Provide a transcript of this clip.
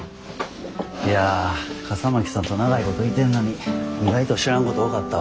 いや笠巻さんと長いこといてんのに意外と知らんこと多かったわ。